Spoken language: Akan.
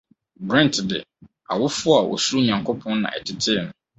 Brent de, awofo a wosuro Nyankopɔn na ɛtetee no.